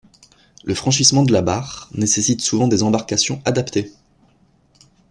Le franchissement de la barre nécessite souvent des embarcations adaptées.